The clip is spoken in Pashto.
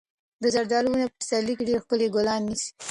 د زردالو ونې په پسرلي کې ډېر ښکلي ګلان نیسي.